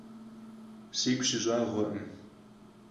Sigu sış'ağuekhım.